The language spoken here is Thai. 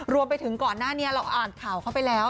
รวมไปถึงก่อนหน้านี้เราอ่านข่าวเข้าไปแล้ว